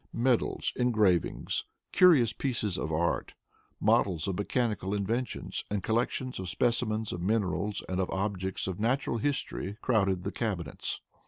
Medals, engravings, curious pieces of art, models of mechanical inventions and collections of specimens of minerals and of objects of natural history crowded the cabinets.